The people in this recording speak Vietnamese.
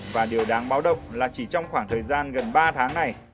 và điều đáng báo động là chỉ trong khoảng thời gian gần ba tháng này